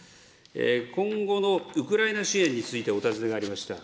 今後のウクライナ支援についてお尋ねがありました。